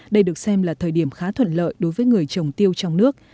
đây được xem là thời điểm khá thuận lợi đối với người trồng tiêu trong nước